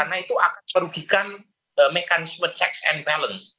karena itu akan merugikan mekanisme checks and balance